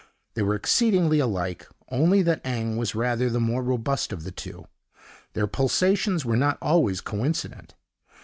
They were exceedingly alike, only that Eng was rather the more robust of the two. Their pulsations were not always coincident.